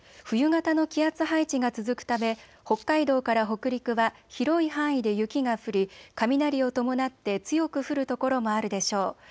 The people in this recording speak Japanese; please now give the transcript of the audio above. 冬型の気圧配置が続くため北海道から北陸は広い範囲で雪が降り、雷を伴って強く降る所もあるでしょう。